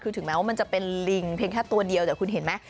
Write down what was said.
คือถึงแม้ว่ามันจะเป็นลิงเพียงแค่ตัวเดียวแต่คุณเห็นไหม